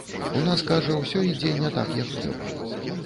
У нас, кажа, усё ідзе не так, як трэба.